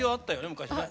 昔ね。